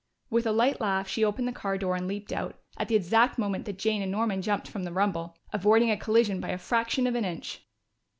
With a light laugh she opened the car door and leaped out, at the exact moment that Jane and Norman jumped from the rumble, avoiding a collision by a fraction of an inch.